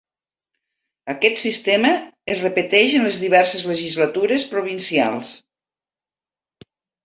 Aquest sistema es repeteix en les diverses legislatures provincials.